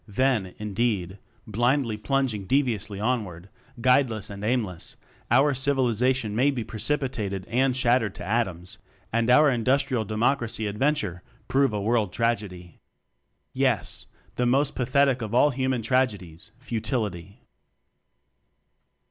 . then indeed, blindly plunging deviously on ward guideless and aimless "our Civilization may be precipitated and shattered to atoms," and our Indus trial Democracy adventure prove a World Tragedy. Yes! the most pathetic of all human tragedies futility.